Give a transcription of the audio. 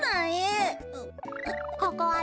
ここはね